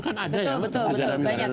kan ada ya mas negara negara lain